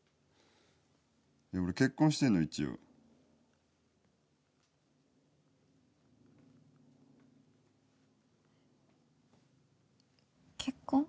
いや俺結婚してんの一応結婚？